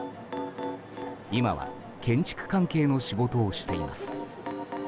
今は建築関係の仕事をしています。